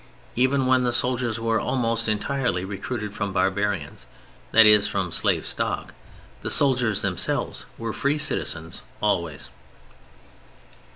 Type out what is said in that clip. Even when the soldiers were almost entirely recruited from barbarians, that is, from slave stock, the soldiers themselves were free citizens always.